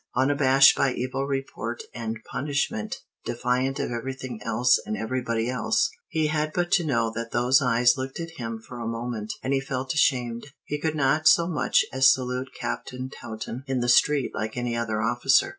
Unabashed by evil report and punishment, defiant of everything else and everybody else, he had but to know that those eyes looked at him for a moment, and he felt ashamed. He could not so much as salute Captain Taunton in the street like any other officer.